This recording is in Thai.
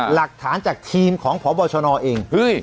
หลักฐานจากทีมของพบชนเอง